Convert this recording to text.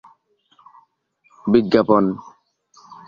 বিজ্ঞাপন